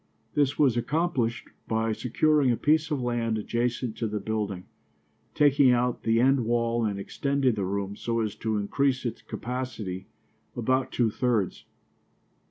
This was accomplished by securing a piece of land adjacent to the building, taking out the end wall and extending the room so as to increase its capacity about two thirds.